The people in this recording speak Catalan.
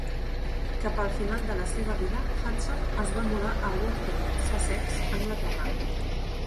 Cap al final de la seva vida, Hudson es va mudar a Worthing, Sussex (Anglaterra).